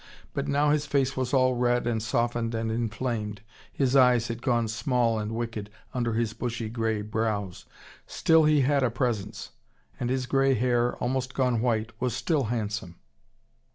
But now his face was all red and softened and inflamed, his eyes had gone small and wicked under his bushy grey brows. Still he had a presence. And his grey hair, almost gone white, was still handsome.